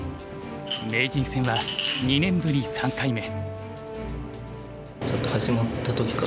名人戦は２年ぶり３回目。